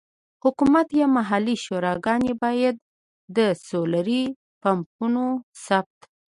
حکومت یا محلي شوراګانې باید د سولري پمپونو ثبت.